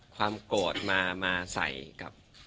ความโกรธมาใส่กับ